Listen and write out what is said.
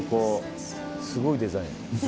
すごいデザイン。